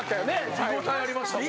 見応えありましたもん。